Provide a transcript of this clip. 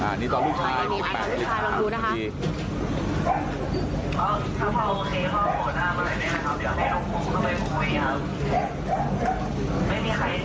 อันนี้ตอนลูกชาย๑๘นิดหนึ่งลูกชายลองดูนะครับ